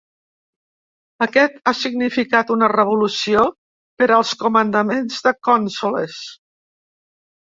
Aquest ha significat una revolució per als comandaments de consoles.